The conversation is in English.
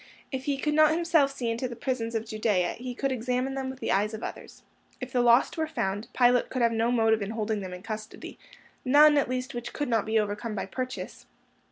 If he could not himself see into the prisons of Judea, he could examine them with the eyes of others. If the lost were found, Pilate could have no motive in holding them in custody—none, at least, which could not be overcome by purchase.